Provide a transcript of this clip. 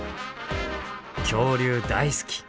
恐竜大好き。